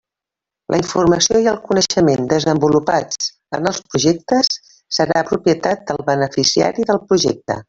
La informació i el coneixement desenvolupats en els projectes serà propietat del beneficiari del projecte.